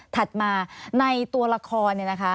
ถัดมาในตัวละครเนี่ยนะคะ